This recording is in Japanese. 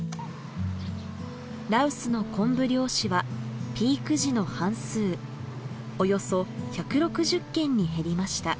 羅臼のコンブ漁師はピーク時の半数およそ１６０軒に減りました。